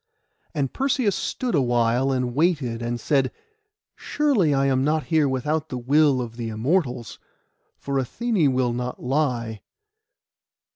And Perseus stood still a while, and waited, and said, 'Surely I am not here without the will of the Immortals, for Athené will not lie.